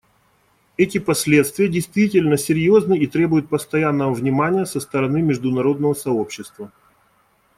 Эти последствия действительно серьезны и требуют постоянного внимания со стороны международного сообщества.